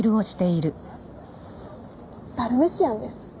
ダルメシアンです。